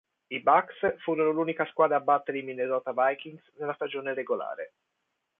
I Bucs furono l'unica squadra a battere i Minnesota Vikings nella stagione regolare.